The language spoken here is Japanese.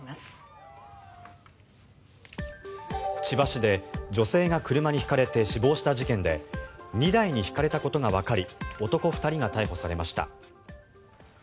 千葉市で女性が車にひかれて死亡した事件で２台にひかれたことがわかり男２人が逮捕されました。